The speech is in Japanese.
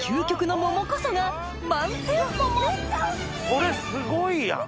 これすごいやん。